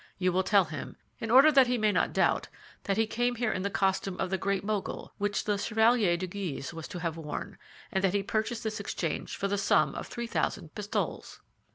You will tell him, in order that he may not doubt, that he came there in the costume of the Great Mogul, which the Chevalier de Guise was to have worn, and that he purchased this exchange for the sum of three thousand pistoles."